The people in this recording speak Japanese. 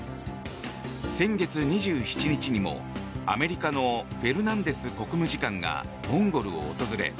先月２７日にも、アメリカのフェルナンデス国務次官がモンゴルを訪れ